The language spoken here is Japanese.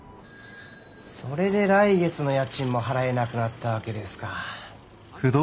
それで来月の家賃も払えなくなったわけですか。